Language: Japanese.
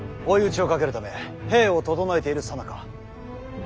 追い打ちをかけるため兵を調えているさなか。